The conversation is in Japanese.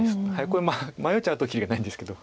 これ迷っちゃうときりがないんですけど。